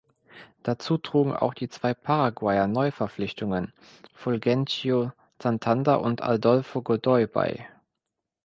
Dazu trugen auch die zwei Paraguayer Neuverpflichtungen Fulgencio Santander und Adolfo Godoy bei.